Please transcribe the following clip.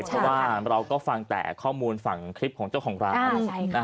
เพราะว่าเราก็ฟังแต่ข้อมูลฝั่งคลิปของเจ้าของร้าน